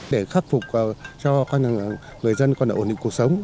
để khắc phục cho người dân ổn định cuộc sống